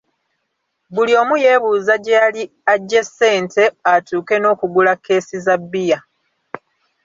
Buli omu yeebuuza gye yali aggye ssente atuuke n'okugula keesi za bbiya.